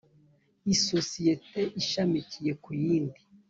isosiyeti ishamikiye ku yindi